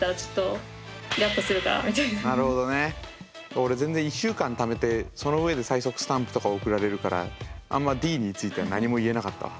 俺全然１週間ためてその上で催促スタンプとか送られるからあんまＤについては何も言えなかったわ。